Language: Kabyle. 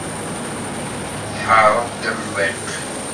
Tḥerreḍ-d amḍiq.